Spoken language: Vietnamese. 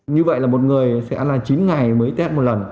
như vậy là một người sẽ ăn chín ngày mới test một lần